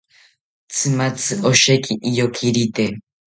Tzimatzi osheki iyorikite